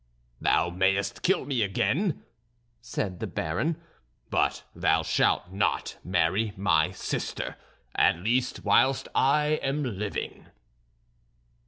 "Thou mayest kill me again," said the Baron, "but thou shalt not marry my sister, at least whilst I am living."